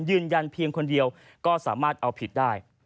ยืนยันเพียงคนเดียวก็สามารถเอาผิดได้